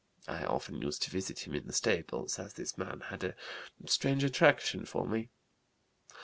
I often used to visit him in the stables, as this man had a strange attraction for me.